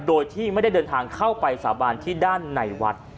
โดยที่ไม่ได้เดินทางเข้าไปสาบานที่ด้านในวัด